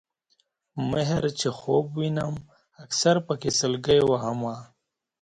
مِهر چې خوب وینم اکثر پکې سلګۍ وهمه